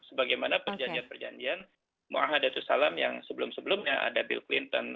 sebagaimana perjanjian perjanjian mu'ahadatussalam yang sebelum sebelumnya ada bill clinton